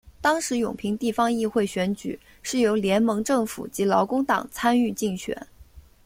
当时永平地方议会选举是由联盟政府及劳工党参与竞选。